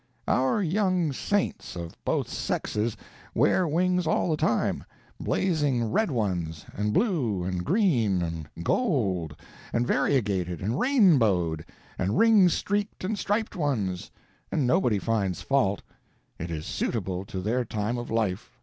"Our young saints, of both sexes, wear wings all the time—blazing red ones, and blue and green, and gold, and variegated, and rainbowed, and ring streaked and striped ones—and nobody finds fault. It is suitable to their time of life.